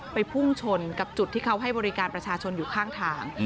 พุ่งชนกับจุดที่เขาให้บริการประชาชนอยู่ข้างทาง